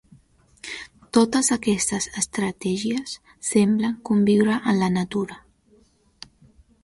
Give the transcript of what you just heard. Totes aquestes estratègies semblen conviure en la natura.